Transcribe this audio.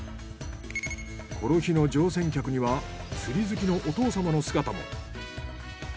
この日の乗船客には釣り好きのお父様の姿も。